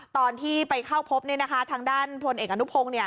ตอนที่ไปเข้าพบทางด้านพลเอกอนุพงศ์